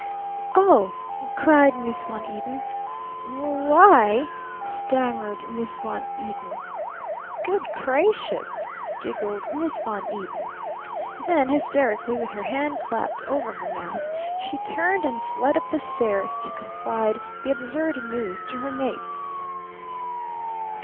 "Oh!" cried Miss Von Eaton. "W hy!" stammered Miss Von Eaton. "Good gracious!" giggled Miss Von Eaton. Then hysterically, with her hand clapped over her mouth, she turned and fled up the stairs to confide the absurd news to her mates.